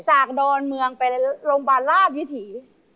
จากโดรนเมืองไปโรงพยาบาลราภิษฐี